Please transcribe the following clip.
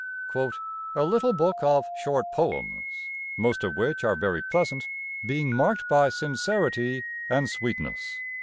"A little book of short poems, most of which are very pleasant, being marked by sincerity and sweetness."